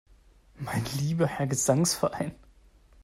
Mein lieber Herr Gesangsverein!